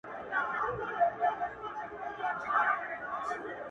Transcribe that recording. o بابا به ويل، ادې به منل٫